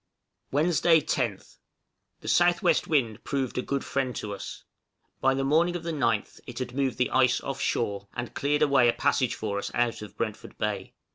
Wednesday, 10th. The S.W. wind proved a good friend to us; by the morning of the 9th it had moved the ice off shore, and cleared away a passage for us out of Brentford Bay.